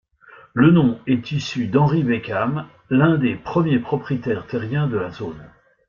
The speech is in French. Le nom est issu d’Henri Beekman, l’un des premiers propriétaires terriens de la zone.